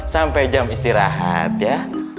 sampai jam istirahat ya